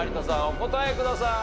お答えください。